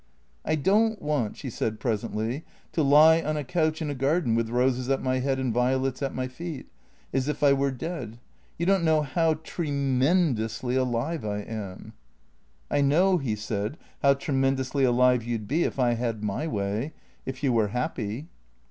" I don't want," she said presently, " to lie on a couch in a garden with roses at my head and violets at my feet, as if I were dead. You don't know how tre — mend — ously alive I am." " I know," he said, " how tremendously alive you 'd be if I had my way — if you were happy."